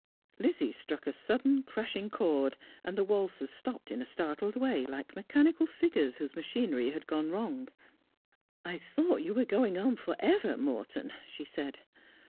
Lizzie struck a sudden crashing chord, and the waltzers stopped in a startled way, like mechanical figures whose machinery had gone wrong. ' I thought you were going on for ever, Morton,' she said.